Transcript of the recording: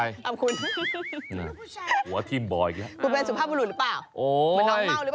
โอ๊ยเหมือนน้องเม่าหรือเปล่า